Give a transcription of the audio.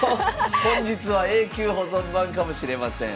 本日は永久保存版かもしれません。